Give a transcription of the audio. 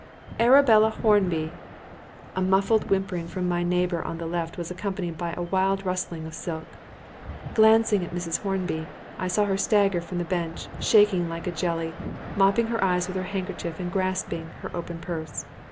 "Arabella Hornby." A muffled whimpering from my neighbour on the left hand was accompanied by a wild rustling of silk. Glancing at Mrs. Hornby, I saw her stagger from the bench, shaking like a jelly, mopping her eyes with her handkerchief and grasping her open purse.